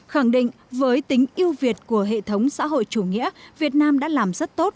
khẳng định với tính yêu việt của hệ thống xã hội chủ nghĩa việt nam đã làm rất tốt